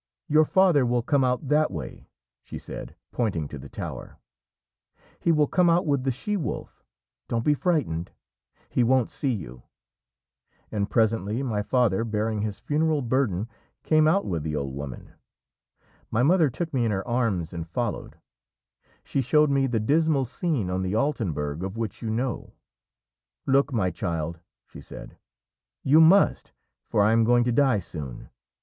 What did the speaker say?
'Your father will come out that way,' she said, pointing to the tower; 'he will come out with the she wolf; don't be frightened, he won't see you.' And presently my father, bearing his funereal burden, came out with the old woman. My mother took me in her arms and followed; she showed me the dismal scene on the Altenberg of which you know. 'Look, my child,' she said; 'you must for I am going to die soon.